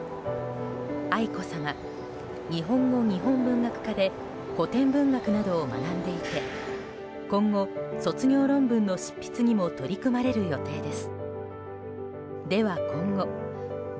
愛子さま日本語日本文学科で古典文学などを学んでいて今後、卒業論文の執筆にも取り組まれる予定です。